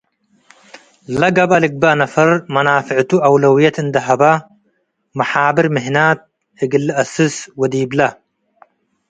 ለገብአ ልግበእ ነፈር መናፍዕቱ አውለውየት እንዴ ሀበ መሓብር ምህናት እግል ለአስስ ወዲብለ